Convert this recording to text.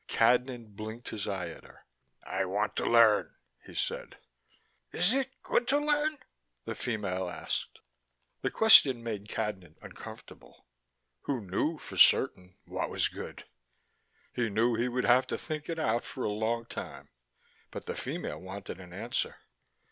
Cadnan blinked his eye at her. "I want to learn," he said. "Is it good to learn?" the female asked. The question made Cadnan uncomfortable: who knew, for certain, what was good? He knew he would have to think it out for a long time. But the female wanted an answer.